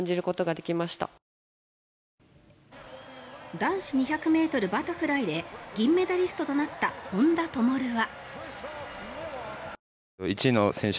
男子２００ｍバタフライで銀メダリストとなった本多灯は。